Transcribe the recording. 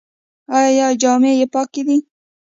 ایا جامې یې پاکې دي؟